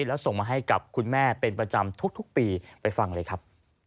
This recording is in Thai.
แล้วส่งมาให้กับคุณแม่เป็นประจำทุกปีไปฟังเลยครับ